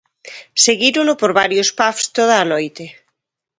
Seguírono por varios pubs, toda a noite.